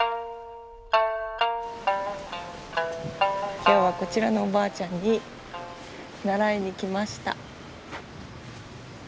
今日はこちらのおばあちゃんに習いに来ました。